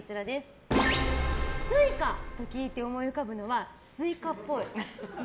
Ｓｕｉｃａと聞いて思い浮かぶのはスイカっぽい。